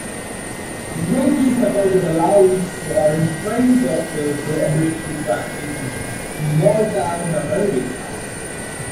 Willkie supported allowing foreign-trained doctors the ability to practice in small-town America.